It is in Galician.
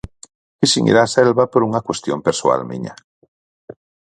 Quixen ir á selva por unha cuestión persoal miña.